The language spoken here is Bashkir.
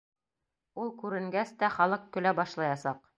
Ул күренгәс тә халыҡ көлә башлаясаҡ!